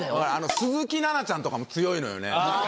鈴木奈々ちゃんとかも強いのよねそう。